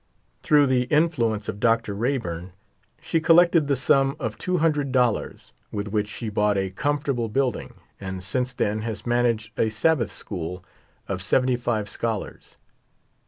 Through the influence of Dr. Reyburn slie collected the sum of two hundred ($200) dollars, with which she bought a comfortable building, and since then has managed a Sabbath school of seventy five scholars.